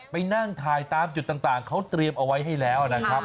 ไปนั่งถ่ายตามจุดต่างเขาเตรียมเอาไว้ให้แล้วนะครับ